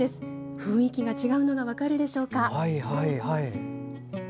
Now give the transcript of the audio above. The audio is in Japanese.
雰囲気が違うのが分かるでしょうか？